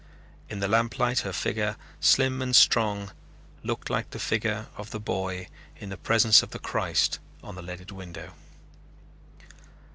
In the lamplight her figure, slim and strong, looked like the figure of the boy in the presence of the Christ on the leaded window.